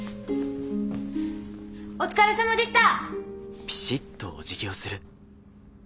お疲れさまでした！